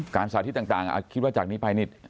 สาธิตต่างคิดว่าจากนี้ไปนี่